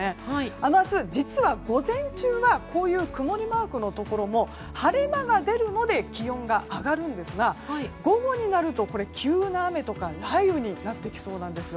明日、実は午前中は曇りマークのところも晴れ間が出るので気温が上がるんですが午後になると急な雨とか雷雨になってきそうなんです。